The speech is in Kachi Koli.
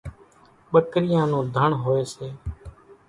ٻڪريان نون ڌڻ هوئيَ سي۔